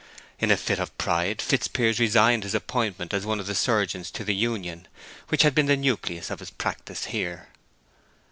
In a fit of pride Fitzpiers resigned his appointment as one of the surgeons to the union, which had been the nucleus of his practice here.